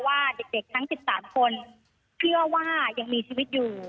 ว่าเด็กทั้ง๑๓คนเชื่อว่ายังมีชีวิตอยู่